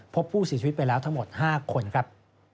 พบผู้เสียชีวิตไปแล้วทั้งหมด๕คนครับ